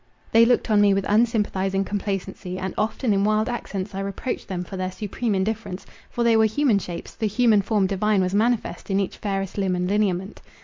They looked on me with unsympathizing complacency, and often in wild accents I reproached them for their supreme indifference—for they were human shapes, the human form divine was manifest in each fairest limb and lineament.